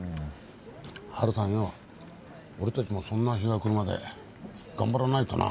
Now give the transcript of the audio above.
春さんよお俺たちもそんな日が来るまで頑張らないとな。